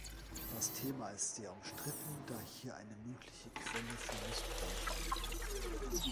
Das Thema ist sehr umstritten, da hier eine mögliche Quelle für Missbräuche liegt.